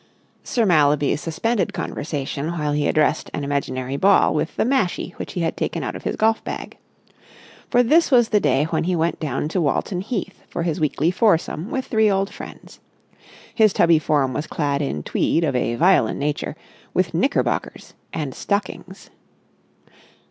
Sir Mallaby suspended conversation while he addressed an imaginary ball with the mashie which he had taken out of his golf bag. For this was the day when he went down to Walton Heath for his weekly foursome with three old friends. His tubby form was clad in tweed of a violent nature, with knickerbockers and stockings.